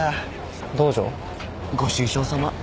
ご愁傷さま。